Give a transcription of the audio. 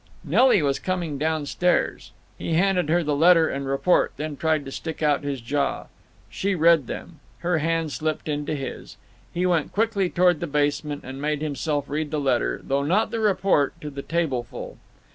Nelly was coming down stairs. He handed her the letter and report, then tried to stick out his jaw. She read them. Her hand slipped into his. He went quickly toward the basement and made himself read the letter—though not the report—to the tableful.